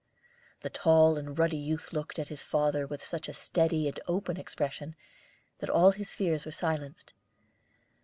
The tall and ruddy youth looked at his father with such a steady and open expression that all his fears were silenced.